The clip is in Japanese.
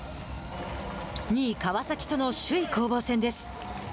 ２位川崎との首位攻防戦です。